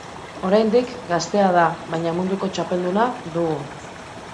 Oraindik gaztea da, baina munduko txapelduna dugu.